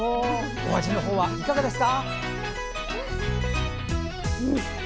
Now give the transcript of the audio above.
味のほうはいかがですか？